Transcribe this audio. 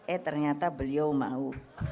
eh ternyata beliau mau